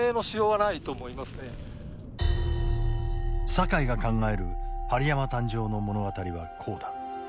酒井が考える針山誕生の物語はこうだ。